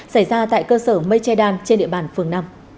xảy ra tại cơ sở mây che đan trên địa bàn phường năm